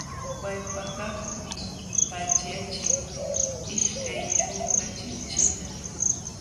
Wallpakaqmi paćhyaqchik ishkay ćhunka chipchita.